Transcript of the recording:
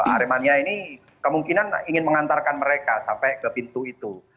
aremania ini kemungkinan ingin mengantarkan mereka sampai ke pintu itu